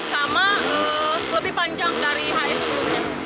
sama lebih panjang dari hari sebelumnya